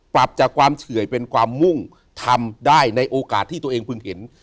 ปรับจากความเฉื่อยเป็นความมุ่งทำได้ในโอกาสที่ตัวเองพึงเห็น